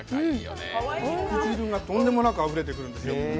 肉汁がとんでもなくあふれてくるんですよ。